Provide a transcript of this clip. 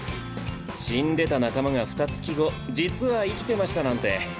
死んでた仲間がふた月後実は生きてましたなんて